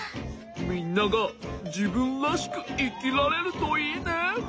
みんながじぶんらしくいきられるといいね。